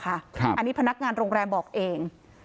อันนี้พนักงานโรงแรมบอกเอง